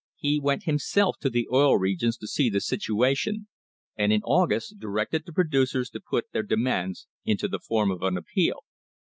He went himself to the Oil Regions to see the situation, and in August directed the producers to put their demands into the form of an appeal.